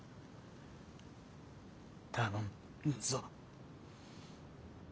頼むぞ。